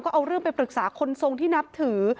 ก็เอาเรื่องไปปรึกษาคนทรงที่นับถือ